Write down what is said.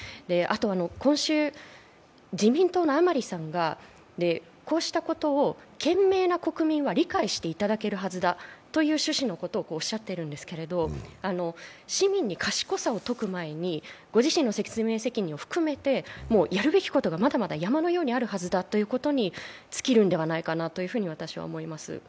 今週、自民党の甘利さんがこうしたことを賢明な国民は理解していただけるはずだという趣旨のことをおっしゃっているんですけれども、市民に賢さを説く前にご自身の説明責任を含めてやるべきことがまだまだ山のようにあるはずだということに尽きると思います。